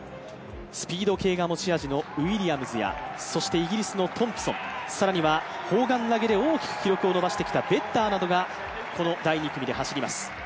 スピード系が持ち味のウィリアムズやそしてイギリスのトンプソン、更には砲丸投げで大きく記録を伸ばしてきたベッターなどがこの第２組で走ります。